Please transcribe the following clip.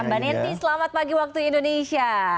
banenti selamat pagi waktu indonesia